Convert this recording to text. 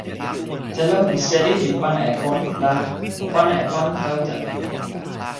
telo li seli li pana e kon la, o pana e pan tawa telo.